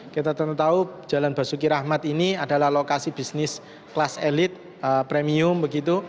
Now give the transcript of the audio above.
kita tentu tahu jalan basuki rahmat ini adalah lokasi bisnis kelas elit premium begitu